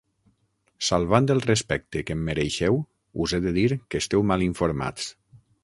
Salvant el respecte que em mereixeu, us he de dir que esteu mal informats.